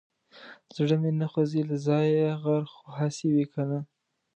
زړه مې نه خوځي له ځايه غر خو هسې وي کنه.